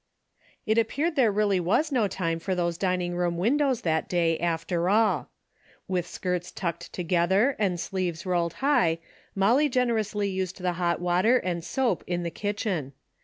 It appeared there really was no time for those dining room windows that day, after all. " 139 140 A DAILY RATE.'' With skirts tucked together and sleeves rolled high Molly generously used the hot water and soap in the kitchen.